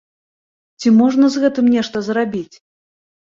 Ці можна з гэтым нешта зрабіць?